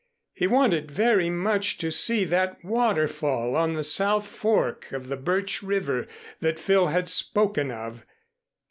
He wanted very much to see that waterfall on the south fork of the Birch River that Phil had spoken of.